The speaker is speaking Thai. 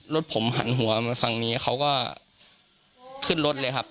รถผมหันหัวมาฝั่งนี้เขาก็ขึ้นรถเลยครับ